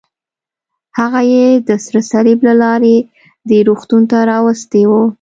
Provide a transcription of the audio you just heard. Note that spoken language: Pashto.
هغه یې د سره صلیب له لارې دې روغتون ته راوستی و.